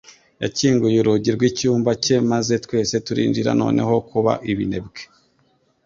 Yakinguye urugi rw'icyumba cye maze twese turinjira noneho kuba ibinebwe